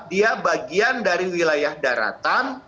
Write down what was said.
dia bagian dari wilayah daratan